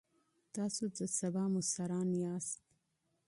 تاسو د سبا مشران یاست.